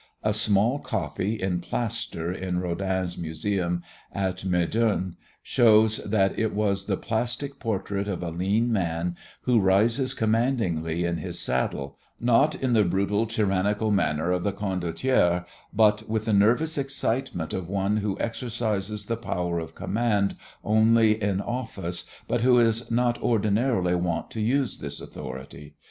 A small copy in plaster in Rodin's museum at Meudon shows that it was the plastic portrait of a lean man who rises commandingly in his saddle, not in the brutal, tyrannical manner of a condottiere but with the nervous excitement of one who exercises the power of command only in office but who is not ordinarily wont to use this authority.